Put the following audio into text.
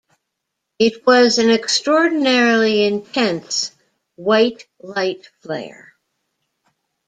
It was an extraordinarily intense "white light flare".